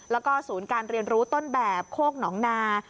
แล้วก็ศูนย์การเรียนรู้ต้นแบบโคกหนองนา